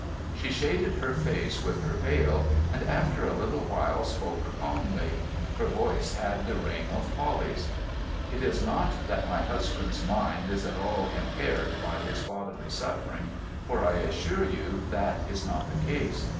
She shaded her face with her veil, and after a little while spoke calmly. Her voice had the ring of Polly's. ' It is not that my husband's mind is at all impaired by his bodily suffering, for I assure you that is not the case.